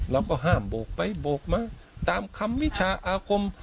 เราก็ห้ามโบกไปโบกมาตามคำวิชาอาคม